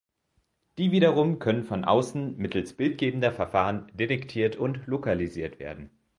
Die wiederum können von außen mittels bildgebender Verfahren detektiert und lokalisiert werden.